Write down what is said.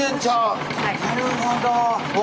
なるほど！